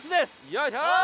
よいしょー！